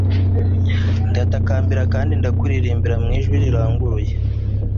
Ndatakambira kandi ndakuririmbira mu ijwi riranguruye